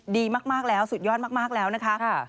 ดีมากแล้วสุดยอดมากแล้วนะคะ